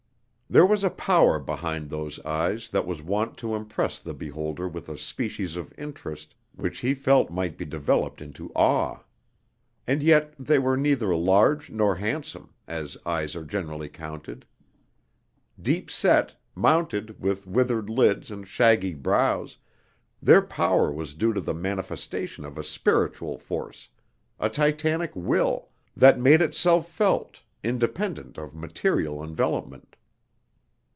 There was a power behind those eyes that was wont to impress the beholder with a species of interest which he felt might be developed into awe; and yet they were neither large nor handsome, as eyes are generally counted. Deep set, mounted with withered lids and shaggy brows, their power was due to the manifestation of a spiritual force, a Titanic will, that made itself felt, independent of material envelopment.